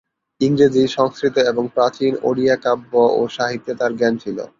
ইংরেজি, সংস্কৃত এবং প্রাচীন ওড়িয়া কাব্য ও সাহিত্যে তার জ্ঞান ছিল।